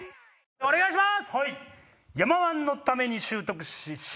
お願いします。